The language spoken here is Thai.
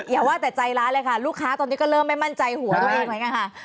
อย่าว่าแต่ใจร้านเลยค่ะลูกค้าตอนนี้ก็เริ่มไม่มั่นใจหัวตัวเองเหมือนกันค่ะ